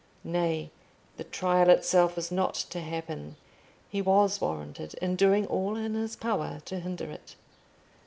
Nay, the trial itself was not to happen: he was warranted in doing all in his power to hinder it.